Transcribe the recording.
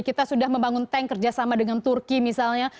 kita sudah membangun tank kerjasama dengan turki misalnya